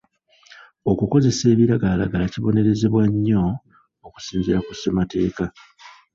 Okukozesa ebiragalalagala kibonerezebwa nnyo okusinziira ku ssemateeka.